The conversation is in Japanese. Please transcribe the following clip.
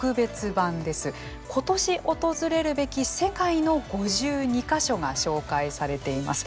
今年訪れるべき世界の５２か所が紹介されています。